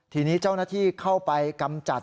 ทีนี้เจ้าหน้าที่เข้าไปกำจัด